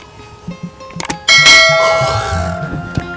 nih makan dulu nih